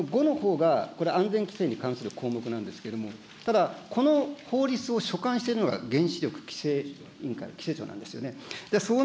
それでこの５のほうがこれ、安全規制に関する項目なんですけれども、ただ、この法律を所管しているのが原子力規制委員会、規制庁なんですよね。